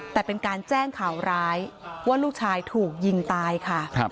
แต่เป็นการแจ้งข่าวร้ายว่าลูกชายถูกยิงตายค่ะ